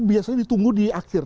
biasanya ditunggu di akhir